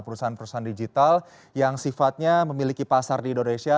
perusahaan perusahaan digital yang sifatnya memiliki pasar di indonesia